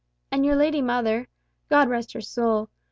And your lady mother (God rest her soul!)